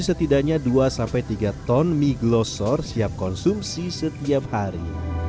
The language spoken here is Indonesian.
setidaknya dua tiga ton mie glosor siap konsumsi setiap hari